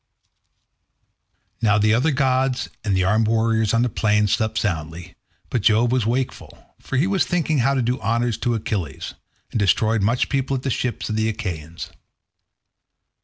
Now the other gods and the armed warriors on the plain slept soundly, but Jove was wakeful, for he was thinking how to do honour to Achilles, and destroyed much people at the ships of the Achaeans.